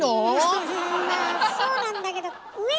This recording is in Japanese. うんまあそうなんだけど「上」ね！